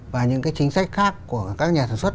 và những cái chính sách khác của các nhà sản xuất